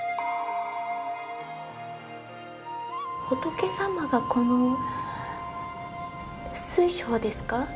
仏様がこの水晶ですか？